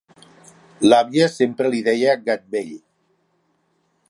L'àvia sempre li deia gat vell.